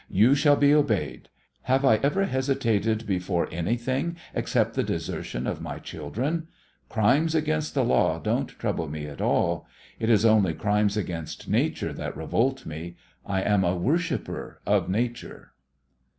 You shall be obeyed. Have I ever hesitated before anything except the desertion of my children? Crimes against the law don't trouble me at all. It is only crimes against Nature that revolt me. I am a worshipper of Nature."